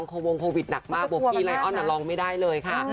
ร้องวงโควิดหนักมากบวกที่ไลน์ออนล่ะร้องไม่ได้เลยค่ะ